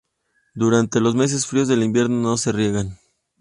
Durante los meses fríos del invierno no se riegan.